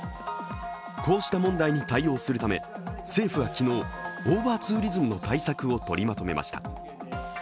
こうした問題に対応するため政府は昨日、オーバーツーリズムの対策を取りまとめました。